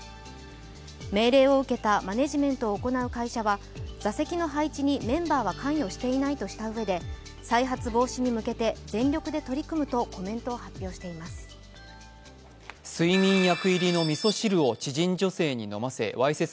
命令を受けたマネジメントを行う会社は座席の配置にメンバーは関与していないとしたうえで再発防止に向けて全力で取り組むとコメントを発表しています。